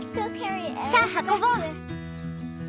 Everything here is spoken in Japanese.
さあ運ぼう。